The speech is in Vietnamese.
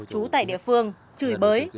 trú tại địa phương chửi bới